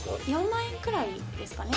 ４万円くらいですかね。